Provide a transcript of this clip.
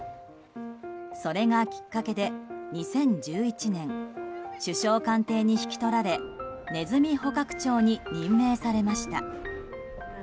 それがきっかけで２０１１年首相官邸に引き取られネズミ捕獲長に任命されました。